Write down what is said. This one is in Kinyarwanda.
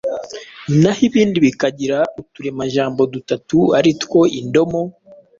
naho ibindi bikagira uturemajambo dutatu ari two indomo,